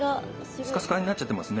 スカスカになっちゃってますね。